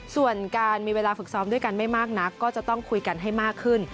ส่วนการมีเวลาฝึกซ้อมด้วยกันไม่มากนักก็จะต้องคุยกันให้มากขึ้น